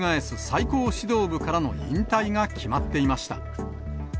最高指導部からの引退が決まっていました。